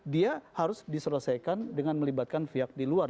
dia harus diselesaikan dengan melibatkan pihak di luar